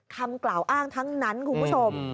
คำกล่าวอ้างทั้งนั้นคุณผู้ชม